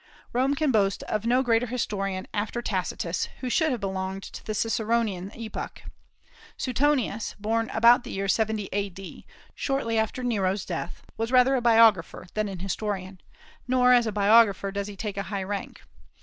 Rome can boast of no great historian after Tacitus, who should have belonged to the Ciceronian epoch. Suetonius, born about the year 70 A.D., shortly after Nero's death, was rather a biographer than an historian; nor as a biographer does he take a high rank.